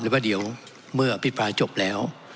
ว่าเดี๋ยวเมื่ออภิปรายจบแล้ว